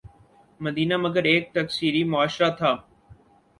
مدینہ مگر ایک تکثیری معاشرہ تھا۔